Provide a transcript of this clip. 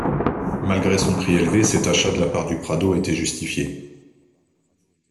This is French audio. Malgré son prix élevé, cet achat de la part du Prado était justifié.